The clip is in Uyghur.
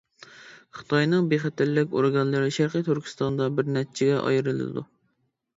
خىتاينىڭ بىخەتەرلىك ئورگانلىرى شەرقى تۈركىستاندا بىر نەچچىگە ئايرىلىدۇ.